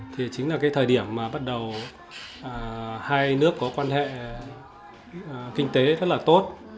thì chính là cái thời điểm mà bắt đầu hai nước có quan hệ kinh tế rất là tốt